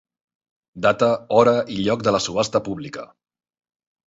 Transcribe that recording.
Data, hora i lloc de la subhasta pública.